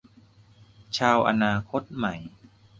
ชาวอนาคตใหม่